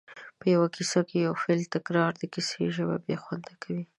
په یوه کیسه کې د یو فعل تکرار د کیسې ژبه بې خونده کوي